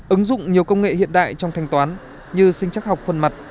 ứng dụng nhiều công nghệ hiện đại trong thanh toán như sinh chắc học phần mặt